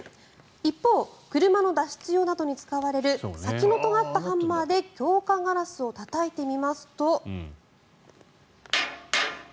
一方、車の脱出用などに使われる先のとがったハンマーで強化ガラスをたたいてみますと。